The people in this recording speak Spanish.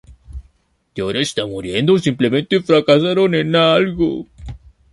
Y ahora está muriendo o simplemente fracasando en algo.